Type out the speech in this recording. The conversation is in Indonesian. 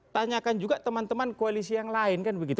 tanyakan juga teman teman koalisi yang lain kan begitu